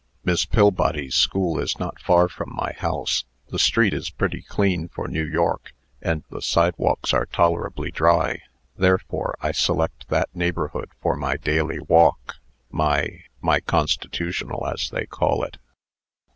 Miss Pillbody's school is not far from my house; the street is pretty clean for New York, and the sidewalks are tolerably dry. Therefore I select that neighborhood for my daily walk my my 'constitutional,' as they call it.